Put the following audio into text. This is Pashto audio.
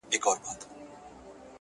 د ژوندون به نوی رنگ وي نوی خوند وي -